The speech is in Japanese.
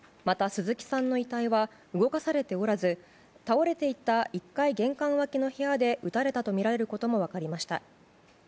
また鈴木さんの遺体は動かされておらず倒れていた１階玄関脇の部屋で撃たれていたとみられることも分かりました。